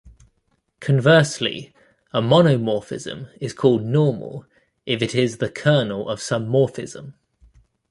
Conversely, a monomorphism is called "normal" if it is the kernel of some morphism.